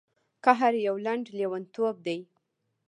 قهر یو لنډ لیونتوب دی.